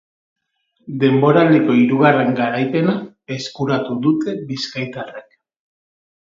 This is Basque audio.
Denboraldiko hirugarren garaipena eskuratu dute bizkaitarrek.